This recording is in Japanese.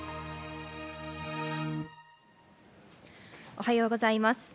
おはようございます。